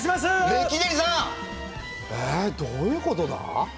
えどういうことだ？